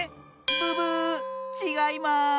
ブブーッちがいます！